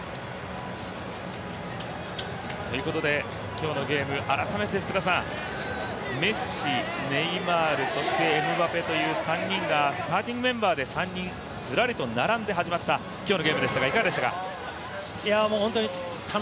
今日のゲーム、改めて福田さん、メッシ、ネイマール、そしてエムバペという３人がスターティングメンバーで３人、ずらりと並んで始まった今日のゲームでしたがいかがでしたか？